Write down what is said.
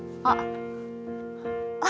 あっ。